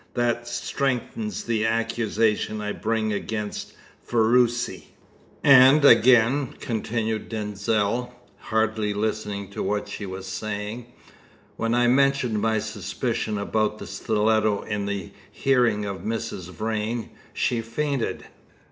"That strengthens the accusation I bring against Ferruci." "And, again," continued Denzil, hardly listening to what she was saying, "when I mentioned my suspicion about the stiletto in the hearing of Mrs. Vrain, she fainted."